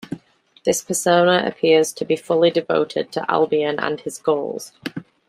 This persona appears to be fully devoted to Albion and his goals.